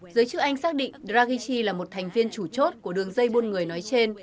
giới chức anh xác định dragichi là một thành viên chủ chốt của đường dây buôn người nói trên